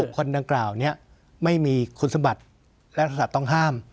คนดังกล่าวนี้ไม่มีคุณสมบัติและลักษณะต้องห้าม